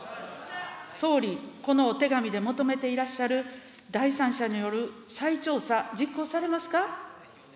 総理、このお手紙で求めていらっしゃる、第三者による再調査、実行されますか。